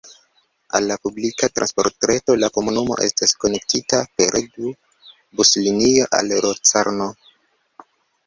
Al la publika transportreto la komunumo estas konektita pere du buslinio al Locarno.